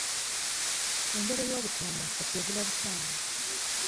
Endebe y'obutunda kati egula busanga.